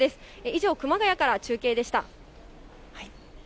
以上、熊谷から中継でした。